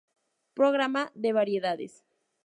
Programa de variedades".